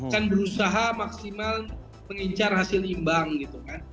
kan berusaha maksimal mengincar hasil imbang gitu kan